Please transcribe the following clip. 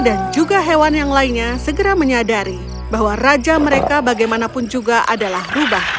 dan juga hewan yang lainnya segera menyadari bahwa raja mereka bagaimanapun juga adalah rubah